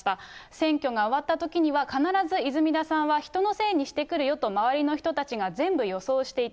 選挙が終わったときには必ず泉田さんは人のせいにしてくるよと周りの人たちが全部予想していた。